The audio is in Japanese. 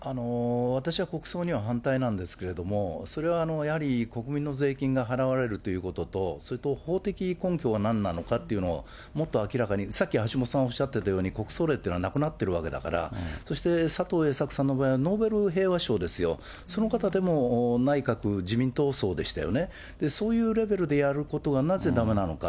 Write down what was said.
私は国葬には反対なんですけれども、それはやはり国民の税金が払われるということと、それと法的根拠はなんなのかというのを、もっと明らかに、さっき橋本さんがおっしゃっていたように、国葬令というのはなくなってるわけだから、そして佐藤栄作さんの場合はノーベル平和賞ですよ、その方でも内閣自民党そうでしたよね、そういうレベルでやることがなぜだめなのか。